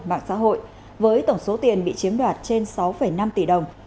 mạng xã hội với tổng số tiền bị chiếm đoạt trên sáu năm tỷ đồng